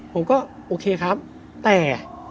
ผมก็โอเคครับแต่